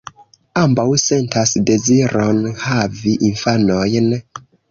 Ambaŭ sentas deziron havi infanojn.